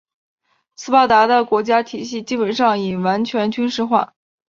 斯巴达的国家体系基本上已完全军事化。